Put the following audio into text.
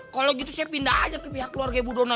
kalau gitu saya pindah aja ke pihak keluarga ibu dona